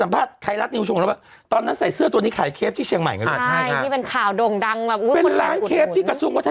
ไม่ใช่แค่ว่าอย่างเดียว